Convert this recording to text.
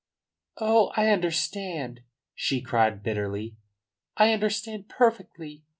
"Oh, I understand," she cried bitterly. "I understand perfectly.